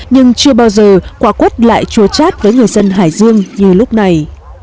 nhưng chưa bao giờ quả quất lại chúa chát với người dân hải dương như lúc này